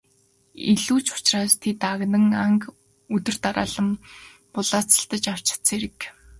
Илүү ч учраас тэд агнасан анг нь өдөр дараалан булааж авч чадсан хэрэг.